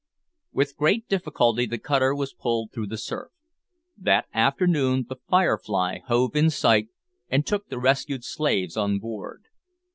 With great difficulty the cutter was pulled through the surf. That afternoon the `Firefly' hove in sight, and took the rescued slaves on board.